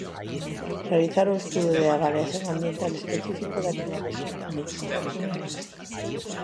Realizar o estudo de avaliación ambiental específico da liña de subministración eléctrica.